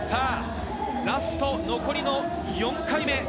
ラスト、残りの４回目。